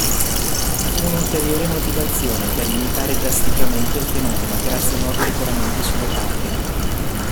Fu un'ulteriore motivazione per limitare drasticamente il fenomeno grazie a nuovi regolamenti sulle targhe.